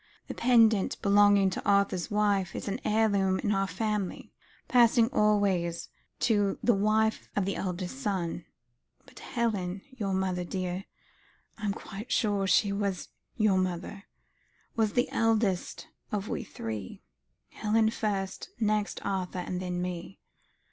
The pendant belonging to Arthur's wife, is an heirloom in our family, passing always to the wife of the eldest son. But Helen, your mother, dear I am quite sure she was your mother was the eldest of we three. Helen first, next Arthur, and then me.